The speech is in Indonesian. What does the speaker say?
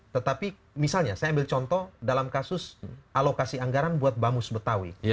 tetapi misalnya saya ambil contoh dalam kasus alokasi anggaran buat bamus betawi